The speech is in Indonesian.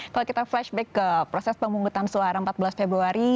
kalau kita flashback ke proses pemungutan suara empat belas februari